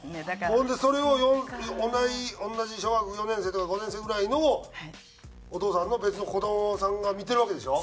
ほんでそれを同じ小学４年生とか５年生ぐらいのお父さんの別の子どもさんが見てるわけでしょ？